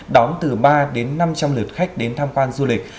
đón từ ba đến năm trăm linh lượt khách đến tham quan du lịch